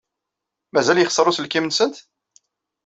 Mazal yexṣer uselkim-nsent?